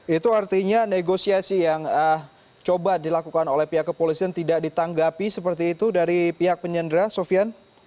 itu artinya negosiasi yang coba dilakukan oleh pihak kepolisian tidak ditanggapi seperti itu dari pihak penyandera sofian